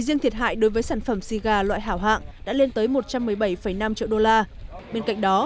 riêng thiệt hại đối với sản phẩm siga loại hảo hạng đã lên tới một trăm một mươi bảy năm triệu usd bên cạnh đó